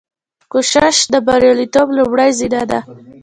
کوشش د بریالیتوب لومړۍ زینه ده.